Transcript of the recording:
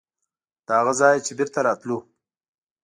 د هغه ځایه چې بېرته راتلو.